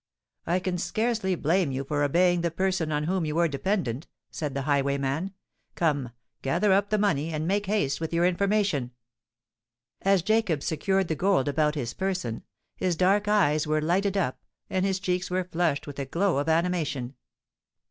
"I can scarcely blame you for obeying the person on whom you were dependant," said the highwayman. "Come—gather up the money, and make haste with your information." As Jacob secured the gold about his person, his dark eyes were lighted up, and his cheeks were flushed with a glow of animation.